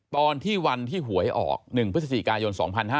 ตอนที่วันที่หวยออก๑พฤศจิกายน๒๕๕๙